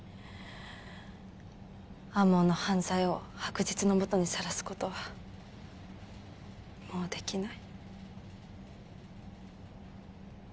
天羽の犯罪を白日の下にさらす事はもうできない。